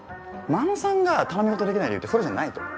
真野さんが頼み事できない理由ってそれじゃないと思う。